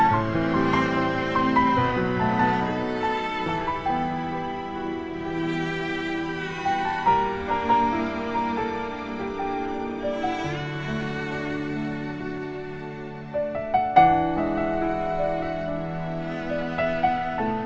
gagal dengan cerita plamas